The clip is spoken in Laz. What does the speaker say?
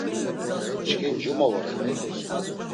Çkin cuma voret.